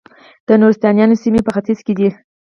د نورستانیانو سیمې په ختیځ کې دي